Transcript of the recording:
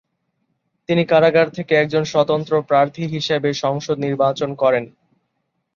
তিনি কারাগার থেকে একজন স্বতন্ত্র প্রার্থী হিসেবে সংসদ নির্বাচন করেন।